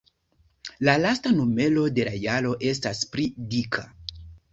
La lasta numero de la jaro estas pli dika.